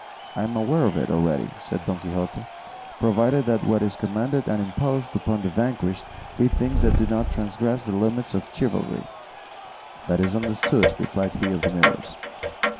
"I am aware of it already," said Don Quixote; "provided what is commanded and imposed upon the vanquished be things that do not transgress the limits of chivalry." "That is understood," replied he of the Mirrors.